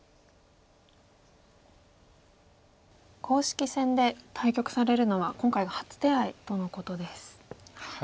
公式戦で対局されるのは今回が初手合とのことです。